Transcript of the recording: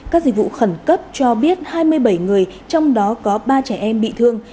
các dịch vụ khẩn cấp cho biết hai mươi bảy người trong đó có ba trẻ em bị thương